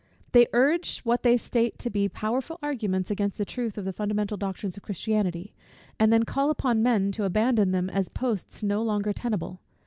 They urge what they state to be powerful arguments against the truth of the fundamental doctrines of Christianity, and then call upon men to abandon them as posts no longer tenable.